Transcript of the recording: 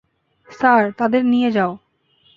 Sir-- তাদের নিয়ে যাও।